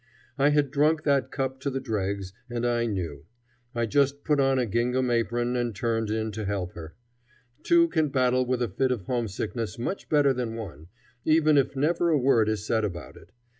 I had drunk that cup to the dregs, and I knew. I just put on a gingham apron and turned in to help her. Two can battle with a fit of homesickness much better than one, even if never a word is said about it.